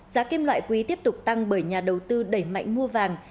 giá kim loại quý tiếp tục tăng bởi nhà đầu tư đẩy mạnh mua vàng